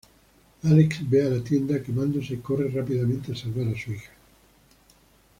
Alex ve a la tienda quemándose y corre rápidamente a salvar a su hija.